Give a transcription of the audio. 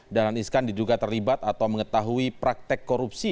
dahlan iskan diduga terlibat atau mengetahui praktek korupsi